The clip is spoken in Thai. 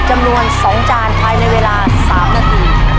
จำนวนสองจานคลายในเวลาสามนาที